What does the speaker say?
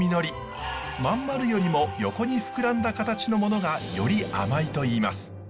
真ん丸よりも横に膨らんだ形の物がより甘いといいます。